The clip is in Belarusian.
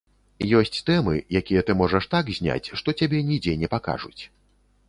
Ёсць тэмы, якія ты можаш так зняць, што цябе нідзе не пакажуць.